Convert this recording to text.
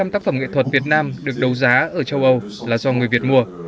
năm tác phẩm nghệ thuật việt nam được đấu giá ở châu âu là do người việt mua